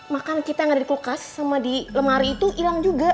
makan kita yang ada di kulkas sama di lemari itu hilang juga